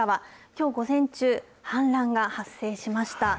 きょう午前中、氾濫が発生しました。